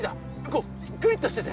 こうクリッとしてて。